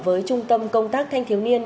với trung tâm công tác thanh thiếu niên